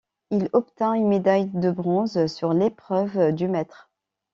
Il obtint une médaille de bronze sur l'épreuve du mètres.